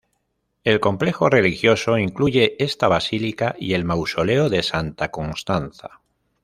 El complejo religioso incluye esta basílica y el mausoleo de Santa Constanza.